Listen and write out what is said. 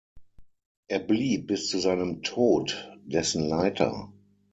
Er blieb bis zu seinem Tod dessen Leiter.